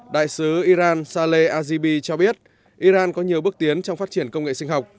đại sứ iran sale azibi cho biết iran có nhiều bước tiến trong phát triển công nghệ sinh học